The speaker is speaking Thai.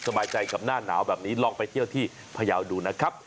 สบายใจกับหน้าหนาวแบบนี้ลองไปเที่ยวที่พยาวดูนะครับ